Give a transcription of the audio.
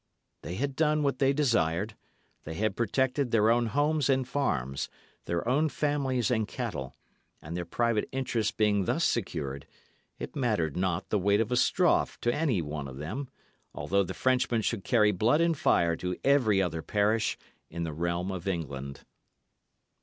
They had done what they desired; they had protected their own homes and farms, their own families and cattle; and their private interest being thus secured, it mattered not the weight of a straw to any one of them, although the Frenchmen should carry blood and fire to every other parish in the realm of England.